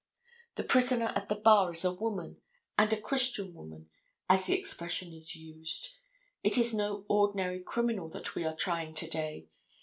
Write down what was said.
The prisoner at the bar is a woman, and a christian woman, as the expression is used. It is no ordinary criminal that we are trying to day.